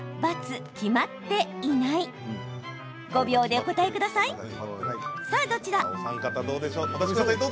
５秒でお答えください。